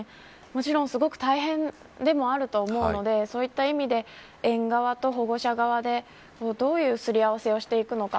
もちろんすごく大変でもあると思うのでそういった意味で園側と保護者側でどういうすり合わせをするのか。